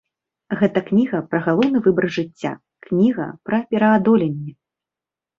Гэта кніга пра галоўны выбар жыцця, кніга пра пераадоленне.